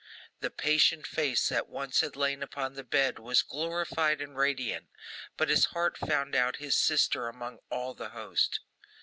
The patient face that once had lain upon the bed was glorified and radiant, but his heart found out his sister among all the host.